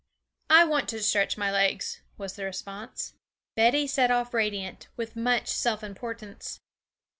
'I want to stretch my legs,' was the response. Betty set off radiant, with much self importance.